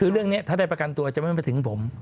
คือเรื่องนี้ถ้าได้ประกันตัวจะไม่ไปถึงผม